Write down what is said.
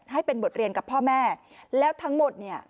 ให้เป็นบทเรียนกับพ่อแม่แล้วทั้งหมดเนี่ย